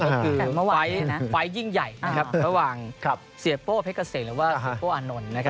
ก็คือไฟล์ยิ่งใหญ่ระหว่างเศรษฐ์โป้เพชรเศรษฐ์หรือว่าโป้อนนต์